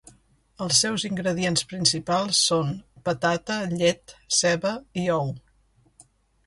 Els seus ingredients principals són: patata, llet, ceba i ou.